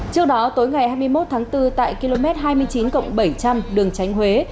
trước đó tối ngày hai mươi một tháng bốn tại km hai mươi chín bảy trăm linh đường tránh huế